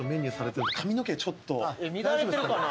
乱れてるかな？